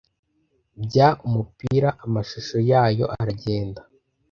Bya umupira. Amashusho yayo aragenda